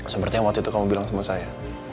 sepertinya waktu itu kamu bilang sama saya